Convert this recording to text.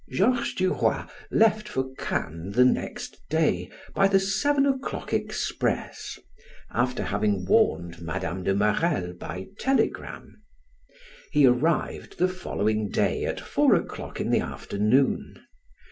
Georges Duroy left for Cannes the next day by the seven o'clock express, after having warned Mme. de Marelle by telegram. He arrived the following day at four o'clock in the afternoon.